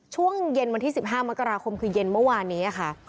ช่วงเย็นวันที่๑๕มกราคมคือเย็นเมื่อวานนี้ค่ะ